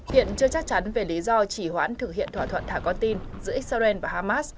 hiện chưa chắc chắn về lý do chỉ hoãn thực hiện thỏa thuận thả con tin giữa israel và hamas